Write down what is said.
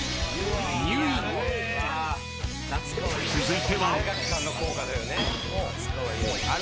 ［続いては］